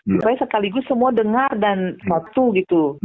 saya sekaligus semua dengar dan satu gitu